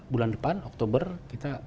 bulan depan oktober kita